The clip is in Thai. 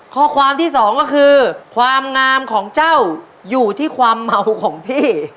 ข้อความที่สองก็คือความงามของเจ้าอยู่ที่ความเมาของพี่